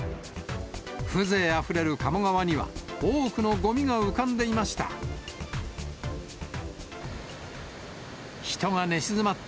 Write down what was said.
風情あふれる鴨川には、多くのごみが浮かんでいました。